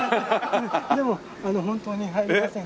でも本当に入れません。